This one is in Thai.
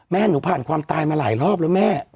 แม่หนูผ่านความตายมาหลายรอบแล้วแม่